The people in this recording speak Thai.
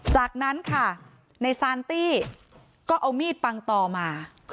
จากนั้นค่ะในซานตี้ก็เอามีดปังต่อมา